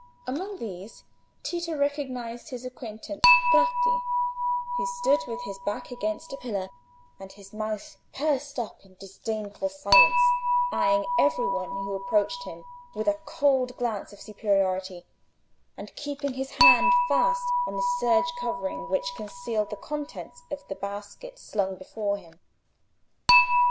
Among these Tito recognised his acquaintance Bratti, who stood with his back against a pillar, and his mouth pursed up in disdainful silence, eyeing every one who approached him with a cold glance of superiority, and keeping his hand fast on a serge covering which concealed the contents of the basket slung before him.